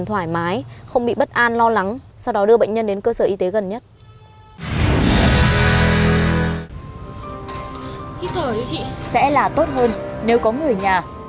thôi chị đừng có la nữa